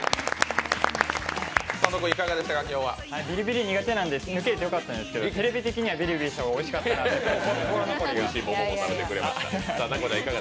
ビリビリ苦手なんですけど勝ててよかったですけどテレビ的にはビリビリした方がおいしかったなと、心残りが。